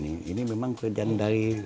ini memang kerjaan dari